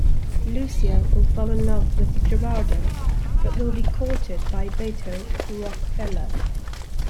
Lucia will fall in love with Gerardo but will be courted by Beto "Roque-feller".